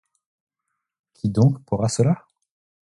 Qui donc boira cela?